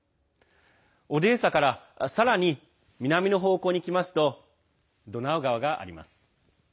オデーサからさらに南の方向に行きますとドナウ川があります。